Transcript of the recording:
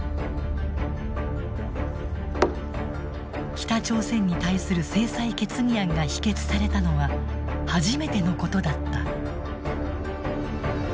北朝鮮に対する制裁決議案が否決されたのは初めてのことだった。